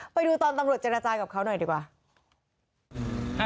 ไปดูตอนตำรวจเจรจากับเขาหน่อยดีกว่า